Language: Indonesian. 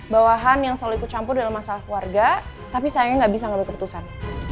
bawahan yang selalu ikut campur dalam masalah keluarga tapi sayangnya nggak bisa ngambil keputusan